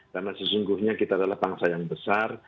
karena sesungguhnya kita adalah bangsa yang besar